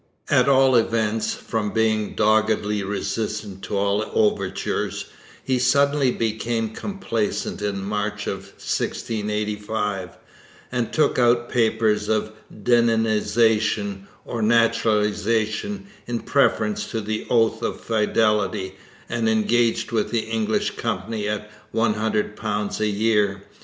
At all events, from being doggedly resistant to all overtures, he suddenly became complaisant in March of 1685, and took out papers of 'deninization,' or naturalization, in preference to the oath of fidelity, and engaged with the English Company at £100 a year.